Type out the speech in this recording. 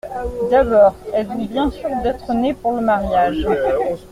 D’abord, êtes-vous bien sûr d’être né pour le mariage ?…